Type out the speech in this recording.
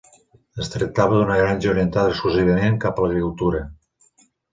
Es tractava d'una granja orientada exclusivament cap a l'agricultura.